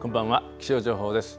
気象情報です。